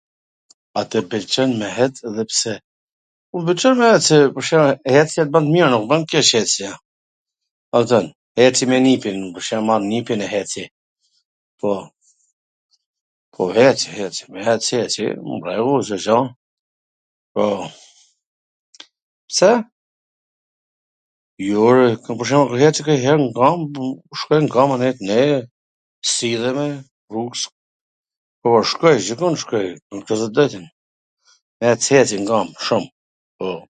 A tw pwlqen me ec dhe pse? Mw pwlqen me ec se pwr shembuil ecja t bwn mir, jo nuk t bwn keq ecja, a kupton, eci me nipin un pwr shembull, marr nipin e heci, po, heci heci, memec, eci, jo, mor, Cdo gja, po, pse? jo ore, un pwr shembull eci kanjher n kamb, shkoj n kamb anej knej, e, si..., po shkoj, gjithmon shkoj, tw drejtwn, ec, eci, n kamb, shum, po.